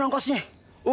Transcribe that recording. selamat siang bang